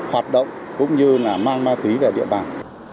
hoạt động cũng như là mang ma túy về địa bàn